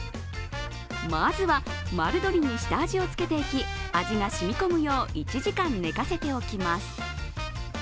まずは丸鶏に下味をつけていき、味が染み込むよう１時間、寝かせておきます。